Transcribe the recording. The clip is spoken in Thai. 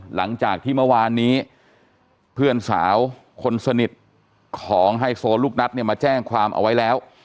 หลังจากที่เมื่อวานนี้เพื่อนสาวคนสนิทของไฮโซลูกนัดเนี่ยมาแจ้งความเอาไว้แล้ว